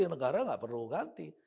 negara gak perlu diganti